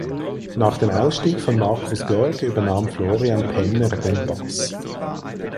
Nach dem Ausstieg von Markus Görg übernahm Florian Penner den Bass.